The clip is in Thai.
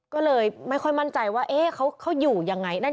ก็เลยไม่ค่อยมั่นใจว่าเขาอยู่ยังไง